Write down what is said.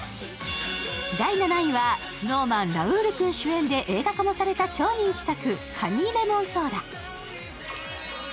ＳｎｏｗＭａｎ・ラウール君主演で映画化もされた超人気作、「ハニーレモンソーダ」。